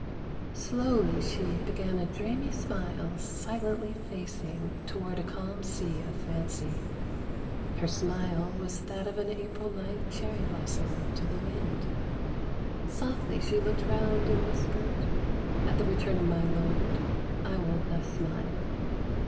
Slow^ly she 32 O Cho San Began a dreamy smile, silently facing Toward a calm sea of fancy : her smile Was that of an April night cherry blossom To the wind. Softly she looked round and whispered :" At the return of my lord I will thus smile.